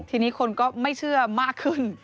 ทีนี้คนก็ไม่เชื่อมากขึ้น